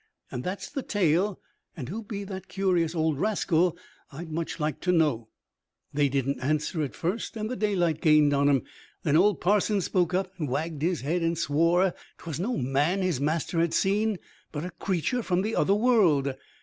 And that's the tale; and who be that curious old rascal I'd much like to know." They didn't answer at first, and the daylight gained on 'em. Then old Parsons spoke up, and wagged his head and swore that 'twas no man his master had seen, but a creature from the other world.